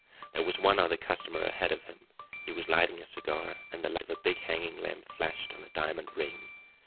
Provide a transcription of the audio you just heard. There was one other customer ahead of him. He was lighting a cigar, and the light of a big hanging lamp flashed on a diamond ring.